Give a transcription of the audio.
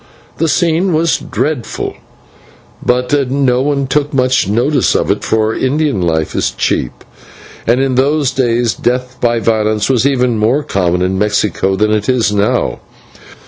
The scene was dreadful, but no one took much notice of it, for Indian life is cheap, and in those days death by violence was even more common in Mexico than it is now.